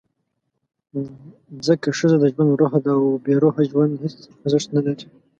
ځکه ښځه د ژوند «روح» ده، او بېروحه ژوند هېڅ ارزښت نه لري.